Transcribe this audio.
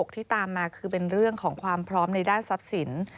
ที่ตามมาคือเป็นเรื่องของความพร้อมในด้านทรัพย์สิน